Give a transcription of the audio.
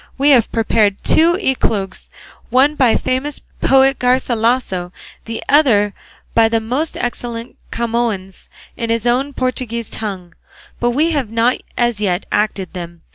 We have prepared two eclogues, one by the famous poet Garcilasso, the other by the most excellent Camoens, in its own Portuguese tongue, but we have not as yet acted them.